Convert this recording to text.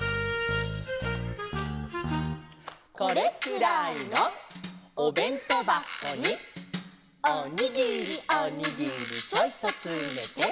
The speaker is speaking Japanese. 「これくらいのおべんとばこに」「おにぎりおにぎりちょいとつめて」